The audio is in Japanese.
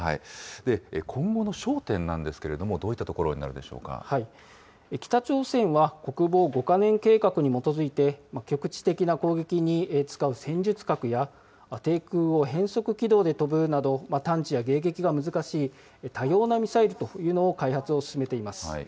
今後の焦点なんですけれども、ど北朝鮮は国防５か年計画に基づいて、局地的な攻撃に使う戦術核や、低空を変則軌道で飛ぶなど、探知や迎撃が難しい多様なミサイルというものの開発を進めています。